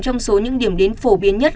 trong số những điểm đến phổ biến nhất